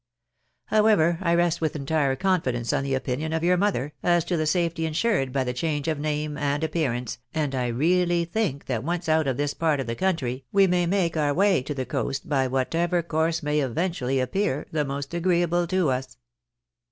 How ever, I rest with entire confidence on the opinion of your mother, as to the safety insured by the change of name and appearance, and A SATISFACTORY RESULT. 317 I really think that once out of this part of the country, we may make our way to the coast by whatever course may eventually appear the most agreeable to us."